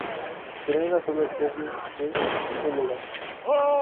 Tenía una sola especie D. elegans